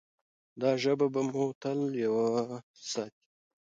دا ژبه به مو تل یوه ساتي.